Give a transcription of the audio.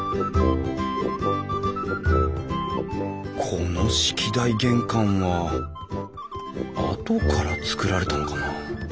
この式台玄関は後から造られたのかなあ